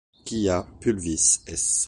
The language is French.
Quia pulvis es